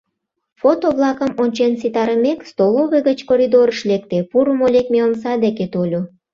Фото-влакым ончен ситарымек, столовый гыч коридорыш лекте, пурымо-лекме омса деке тольо.